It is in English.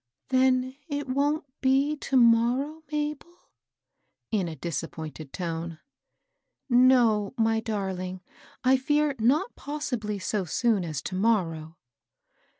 " Then it wont be to m<»row, Mabd ?" in a disappointed tone. " No, my darling, I fear not possibly So sodn as to morrow."